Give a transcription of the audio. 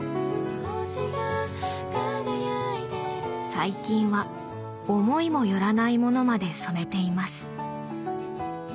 最近は思いもよらないものまで染めています。